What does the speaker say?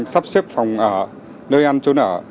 sắp xếp phòng ở nơi ăn trốn ở